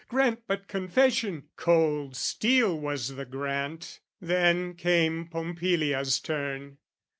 "Grant but confession!" Cold steel was the grant. Then came Pompilia's turn.